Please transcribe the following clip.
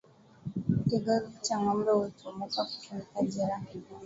kigozi cha ngombe hutumuka kufunika jeraha